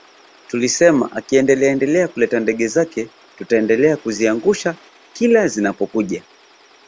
Tulisema akiendeleaendelea kuleta ndege zake tutaendelea kuziangusha kila zinapokuja